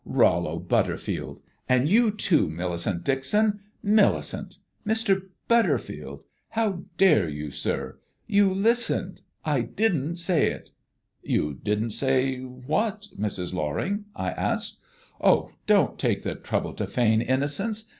"Rollo Butterfield and you, too, Millicent Dixon! Millicent Mr. Butterfield, how dare you, sir? You listened? I didn't say it!" "You didn't say what, Mrs. Loring?" I asked. "Oh, don't take the trouble to feign innocence!